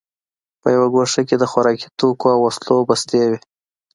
په یوه ګوښه کې د خوراکي توکو او وسلو بستې وې